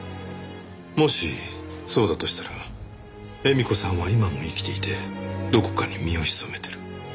もしそうだとしたら絵美子さんは今も生きていてどこかに身を潜めてる。